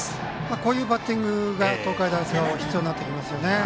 こういうバッティングが東海大菅生必要になってきますよね。